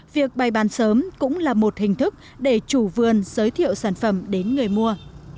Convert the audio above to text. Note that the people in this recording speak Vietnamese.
việc bày bán sớm cũng là một hình thức để chủ vườn giới thiệu sản phẩm đến người mua